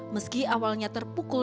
meski awalnya terpukul